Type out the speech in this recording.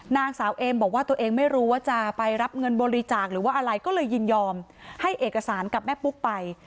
นางสาวเอมบอกว่าตัวเองไม่รู้ว่าจะไปรับเงินบริจาคหรือว่าอะไรก็เลยยินยอมให้เอกสารกับแม่ปุ๊กไป